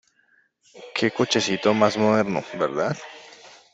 Qué cochecito más moderno, ¿verdad?